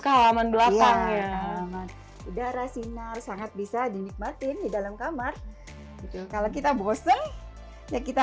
ke halaman belakangnya udara sinar sangat bisa dinikmatin di dalam kamar kalau kita bosan ya kita